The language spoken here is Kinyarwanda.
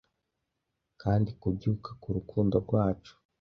kandi kubyuka k'urukundo rwacu